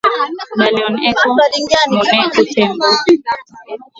Baleine eko munene ku tembo